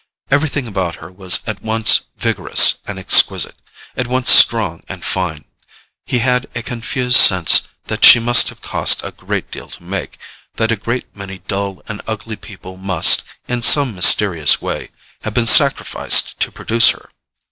Everything about her was at once vigorous and exquisite, at once strong and fine. He had a confused sense that she must have cost a great deal to make, that a great many dull and ugly people must, in some mysterious way, have been sacrificed to produce her.